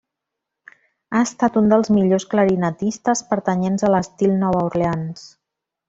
Ha estat un dels millors clarinetistes pertanyents a l'estil Nova Orleans.